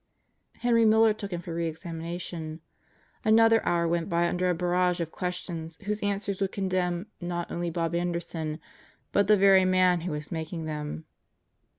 Henry Miller took him for re examination. Another hour went by under a barrage of questions whose answers would condemn not only Bob Anderson but the very man who was making them.